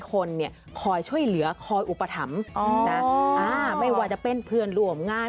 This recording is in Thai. คนเนี่ยคอยช่วยเหลือคอยอุปถัมภ์นะไม่ว่าจะเป็นเพื่อนร่วมงาน